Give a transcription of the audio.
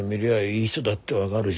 いい人だって分がるし。